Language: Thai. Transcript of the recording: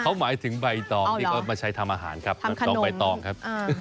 เขาหมายถึงใบตองที่เขามาใช้ทำอาหารครับน้องใบตองครับ